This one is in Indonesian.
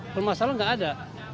permasalahan tidak ada